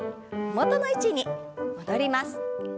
元の位置に戻ります。